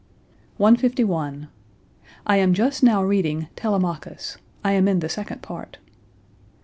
151. "I am just now reading 'Telemachus;' I am in the second part."